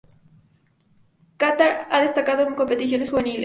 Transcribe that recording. Catar ha destacado en competiciones juveniles.